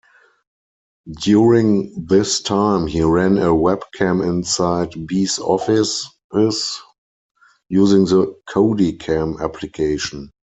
During this time, he ran a webcam inside Be's offices using the CodyCam application.